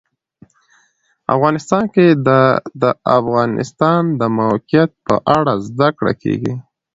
افغانستان کې د د افغانستان د موقعیت په اړه زده کړه کېږي.